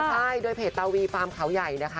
ใช่โดยเพจตาวีฟาร์มเขาใหญ่นะคะ